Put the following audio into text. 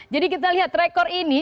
jadi kita lihat rekor ini